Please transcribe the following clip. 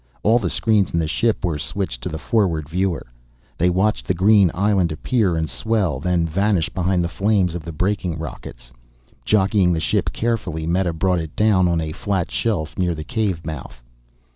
All the screens in the ship were switched to the forward viewer. They watched the green island appear and swell, then vanish behind the flames of the braking rockets. Jockeying the ship carefully, Meta brought it down on a flat shelf near the cave mouth.